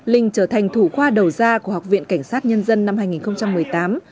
linh trở thành thủ khoa đầu ra của học viện cảnh sát nhân dân năm hai nghìn một mươi tám